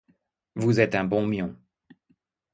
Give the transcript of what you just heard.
Vous êtes un bon mion.